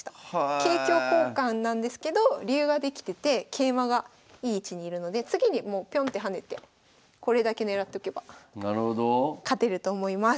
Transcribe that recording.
桂香交換なんですけど竜ができてて桂馬がいい位置にいるので次にぴょんって跳ねてこれだけ狙っとけば勝てると思います。